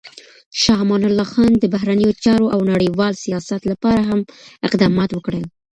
شاه امان الله خان د بهرنیو چارو او نړیوال سیاست لپاره هم اقدامات وکړل.